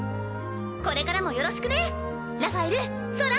これからもよろしくねラファエルソラ。